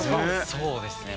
そうですね